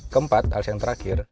keempat alis yang terakhir